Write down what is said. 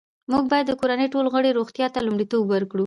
موږ باید د کورنۍ ټولو غړو روغتیا ته لومړیتوب ورکړو